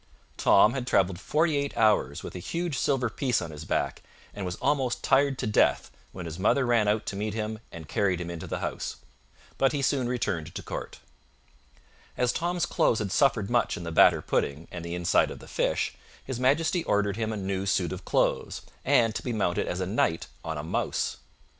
Tom had traveled forty eight hours with a huge silver piece on his back, and was almost tired to death, when his mother ran out to meet him and carried him into the house. But he soon returned to court. As Tom's clothes had suffered much in the batter pudding and the inside of the fish, his Majesty ordered him a new suit of clothes, and to be mounted as a knight on a mouse.